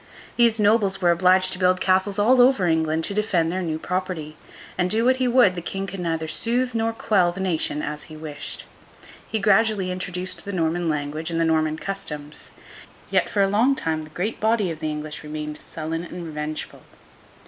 These nobles were obliged to build castles all over England, to defend their new property; and, do what he would, the King could neither soothe nor quell the nation as he wished. He gradually introduced the Norman language and the Norman customs; yet, for a long time the great body of the English remained sullen and revengeful.